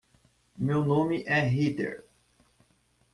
Meu nome é Heather.